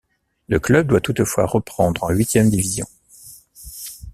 Le club doit toutefois reprendre en huitième division.